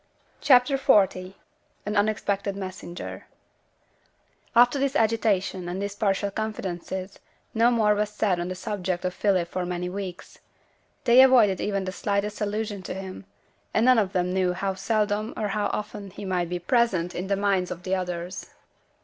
CHAPTER XL AN UNEXPECTED MESSENGER After this agitation, and these partial confidences, no more was said on the subject of Philip for many weeks. They avoided even the slightest allusion to him; and none of them knew how seldom or how often he might be present in the minds of the others.